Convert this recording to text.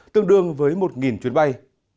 tương đương với một chuyến bay